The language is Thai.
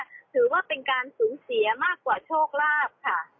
ถือว่าเป็นการสูญเสียมากกว่าโชคลาภค่ะ